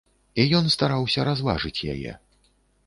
І ён стараўся разважыць яе.